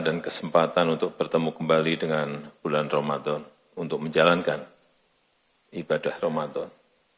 dan kesempatan untuk bertemu kembali dengan bulan ramadan untuk menjalankan ibadah ramadan